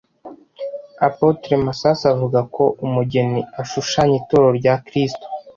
Apôtre Masasu avuga ko umugeni ashushanya Itorero rya Kiristo